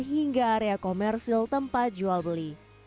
hingga area komersil tempat jual beli